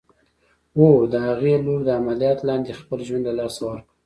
هو! د هغې لور د عمليات لاندې خپل ژوند له لاسه ورکړ.